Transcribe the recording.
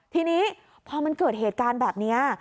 ทีนี้พอมันเกิดเหตุการณ์แบบนี้